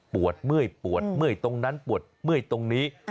เมื่อยปวดเมื่อยตรงนั้นปวดเมื่อยตรงนี้